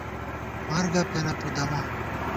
مرگہ پېنہ پُدَمہ